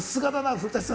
古さん